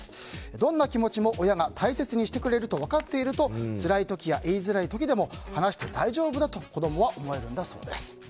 どんな気持ちも親が大切にしてくれると分かっているとつらい時や言いづらい時でも話して大丈夫だと子供は思えるんだそうです。